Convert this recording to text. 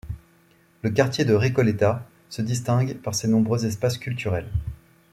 Le quartier de Recoleta se distingue par ses nombreux espaces culturels.